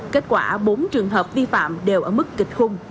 kết quả bốn trường hợp vi phạm đều ở mức kịch khung